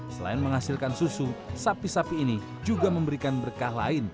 selain menghasilkan susu sapi sapi ini juga memberikan berkah lain